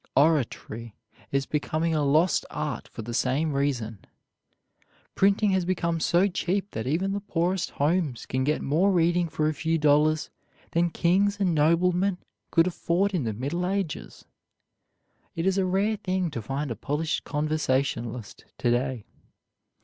Oratory is becoming a lost art for the same reason. Printing has become so cheap that even the poorest homes can get more reading for a few dollars than kings and noblemen could afford in the Middle Ages. It is a rare thing to find a polished conversationalist to day.